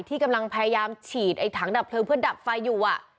ที่กำลังพยามฉีดถังดับเพลิงเพื่อดับฟิล์ดอยู่